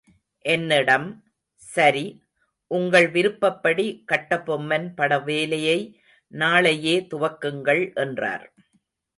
என்னிடம், சரி, உங்கள் விருப்பப்படி கட்டபொம்மன் பட வேலையை நாளையே துவக்குங்கள் என்றார்.